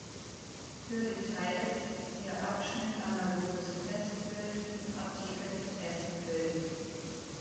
Für Details siehe Abschnitt "Analoges Testbild" im Artikel "Testbild"".